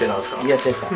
やってた。